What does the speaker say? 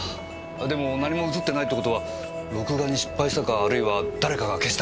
でも何も映ってないって事は録画に失敗したかあるいは誰かが消した！